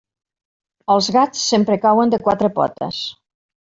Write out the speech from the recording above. Els gats sempre cauen de quatre potes.